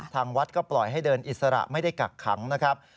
ทางวัดก็ปล่อยให้เดินอิสระไม่ได้กักขังนะครับ